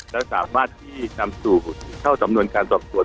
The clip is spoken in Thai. แล้วสามารถที่นำสู่เข้าสำนวนการสอบสวน